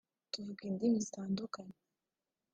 tukavuga indimi zitandukanye